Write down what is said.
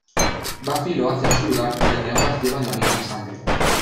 Buffy lo hace en su lugar ya que ambas llevan la misma sangre.